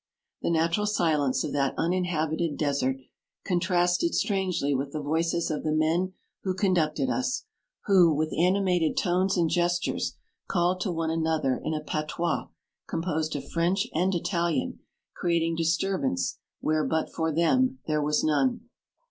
The natural silence of that uninhabited desert contrasted strangely with the voices of the men who conducted us, who, with animated tones and gestures, called to one ano ther in a patois composed of French and Italian, creating disturbance, where but for them, there was none.